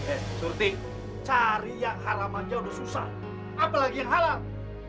eh suti cari yang halaman aja udah susah apa lagi yang halang